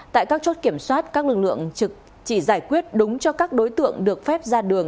tại các chốt kiểm soát các lực lượng trực chỉ giải quyết đúng cho các đối tượng được phép ra đường